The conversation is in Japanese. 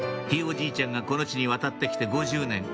ひいおじいちゃんがこの地に渡って来て５０年